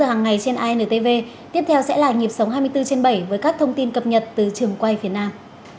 hàng ngày trên antv tiếp theo sẽ là nhịp sống hai mươi bốn h bảy với các thông tin cập nhật từ trường quay việt nam